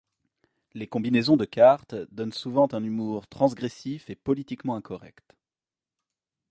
Les combinaisons de cartes donnent souvent un humour transgressif et politiquement incorrect.